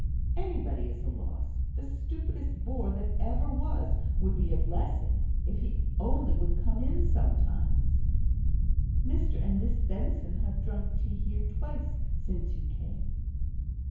"Anybody is a loss the stupidest bore that ever was would be a blessing, if he only would come in sometimes." "Mr and Miss Benson have drank tea here twice since you came."